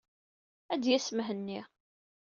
Ad d-yas Mhenni.